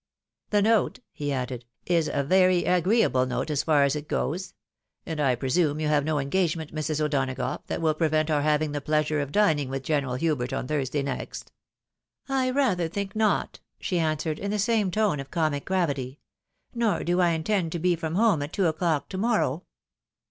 " The note," he added, " is a very atjreeable note as far as it goes — ^and I presume you have MISS PATTY AFFRONTED. 101 no engagement, Mrs. O'Donagough, that will prevent our having the pleasure of dining with General Hubert on Thursday next ?"■^" I rather think not,'' she answered, in the same tone of comic gravity. " Nor do I intend to be from home at two o'clock to morrow